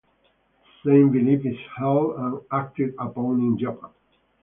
The same belief is held and acted upon in Japan.